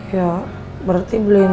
ya berarti beliin